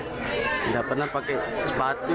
tidak pernah pakai sepatu